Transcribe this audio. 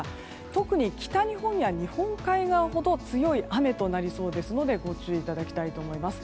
特に、北日本や日本海側ほど強い雨となりそうですのでご注意いただきたいと思います。